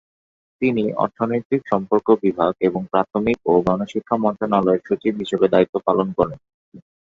তিনি অর্থনৈতিক সম্পর্ক বিভাগ এবং প্রাথমিক ও গণশিক্ষা মন্ত্রণালয়ের সচিব হিসেবে দায়িত্ব পালন করেন।